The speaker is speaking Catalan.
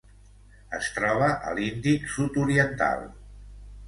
Es troba a l'Índic sud-oriental: